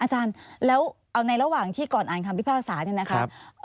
อาจารย์แล้วเอาในระหว่างที่ก่อนอ่านคำพิพากษาเนี่ยนะครับ